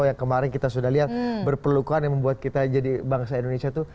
yang kemarin kita sudah lihat berpelukan yang membuat kita jadi bangsa indonesia itu